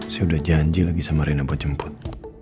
saya udah janji lagi sama rina buat jemput